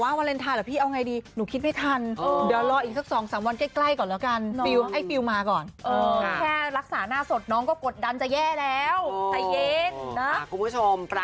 วาเลนไทยก็ยังหน้าสดไม่ตกใจเหมือนเดิมค่ะ